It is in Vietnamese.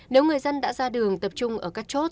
nếu người dân đã ra đường tập trung ở các chốt